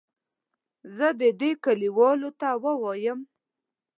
زه دې کلیوالو ته ووایم.